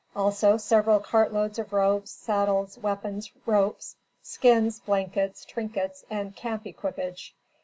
Also several cart loads of robes, saddles, weapons, ropes, skins, blankets, trinkets and camp equipage.